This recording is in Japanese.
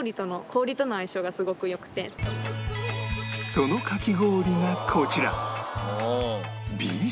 そのかき氷がこちら